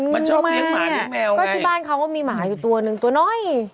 ก็ที่บ้านเขาก็มีหมาอยู่ตัวหนึ่งตัวน้อย